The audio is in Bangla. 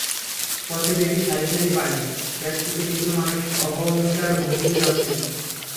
পথে দেখি সারি সারি পানি ট্যাক্সিতে কিছু মানুষ অহমিকার ভঙ্গিতে যাচ্ছেন।